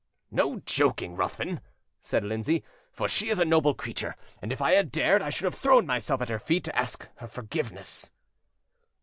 "No joking, Ruthven," said Lindsay; "for she is a noble creature, and if I had dared, I should have thrown myself at her feet to ask her forgiveness."